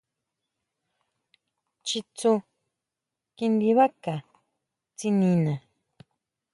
Chitsu kindibaca tsinina.